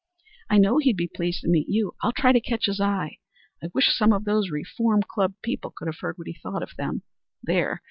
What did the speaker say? "I know he'd be pleased to meet you. I'll try to catch his eye. I wish some of those Reform Club people could have heard what he thought of them. There!